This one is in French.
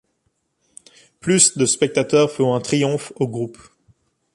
Plus de spectateurs font un triomphe au groupe.